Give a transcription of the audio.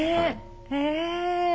へえ。